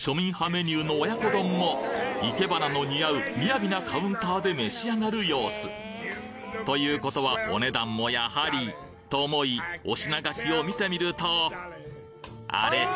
メニューの親子丼も生け花の似合う雅なカウンターで召し上がる様子ということはお値段もやはりと思いおしながきを見てみるとあれ？